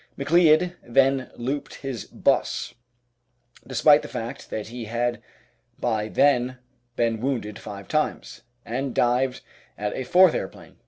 McLeod then looped his 'bus, despite the fact that he had by then been wounded five times, Applied Science 857 and dived at a fourth aeroplane.